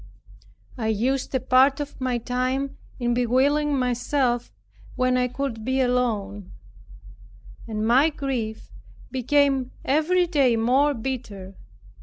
I used a part of my time in bewailing myself when I could be alone; and my grief became every day more bitter.